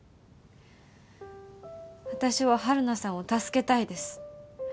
私は晴汝さんを助けたいです。